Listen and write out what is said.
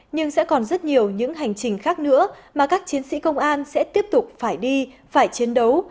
nhưng sẽ còn rất nhiều những hành trình khác nữa mà các chiến sĩ công an sẽ tiếp tục phải đi phải chiến đấu